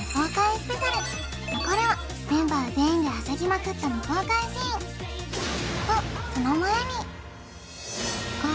スペシャル残るはメンバー全員ではしゃぎまくった未公開シーンとゴールデン進出からはや半年